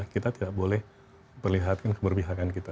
kita tidak boleh perlihatkan keberpihakan kita